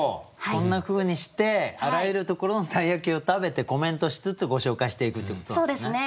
こんなふうにしてあらゆるところの鯛焼を食べてコメントしつつご紹介していくっていうことなんですね。